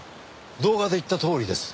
動画で言ったとおりです。